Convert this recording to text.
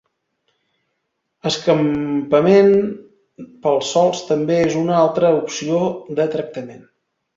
Escampament pels sòls també és una altra opció de tractament.